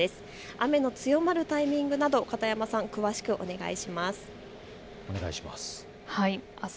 雨の強まる状況など片山さん、詳しくお願いします。